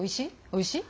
おいしい？」